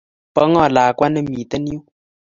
Po ng'o lakwa ne mite yun?